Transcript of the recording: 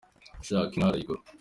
Ushaka inka arayigura.